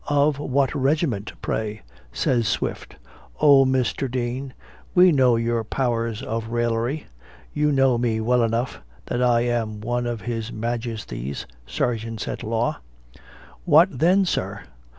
"Of what regiment, pray?" says Swift. "O, Mr. Dean, we know your powers of raillery; you know me well enough, that I am one of his majesty's sergeants at law." "What then, sir?"